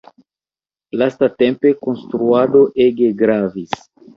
Lastatempe konstruado ege gravis.